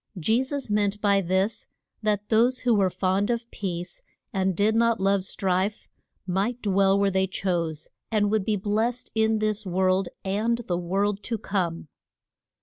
Je sus meant by this that those who were fond of peace, and did not love strife, might dwell where they chose, and would be blest in this world and the world to come.